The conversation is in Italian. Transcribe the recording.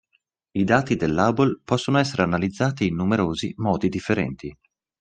I dati dell’Hubble possono essere analizzati in numerosi modi differenti.